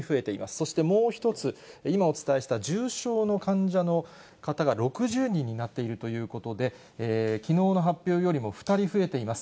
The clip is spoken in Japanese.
そしてもう一つ、今お伝えした重症の患者の方が６０人になっているということで、きのうの発表よりも２人増えています。